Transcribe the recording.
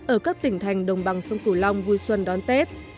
ở các tỉnh thành đồng bằng sông cửu long vui xuân đón tết